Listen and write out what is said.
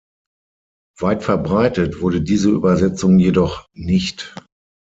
Weit verbreitet wurde diese Übersetzung jedoch nicht.